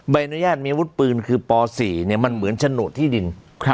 ใบอนุญาตมีอาวุธปืนคือป๔มันเหมือนโฉนดที่ดิน